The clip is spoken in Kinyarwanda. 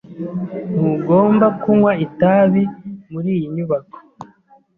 Ntugomba kunywa itabi muri iyi nyubako.